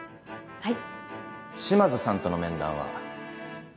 はい。